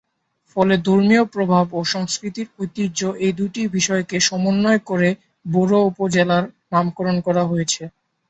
ফলে ধর্মীয় প্রভাব এবং সংস্কৃতিক ঐতিহ্য এ দুটি বিষয়কে সমন্বয় করে বরুড়া উপজেলার নামকরণ করা হয়েছে।